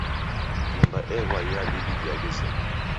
Nyumba eghwa iabidi diaghe zima.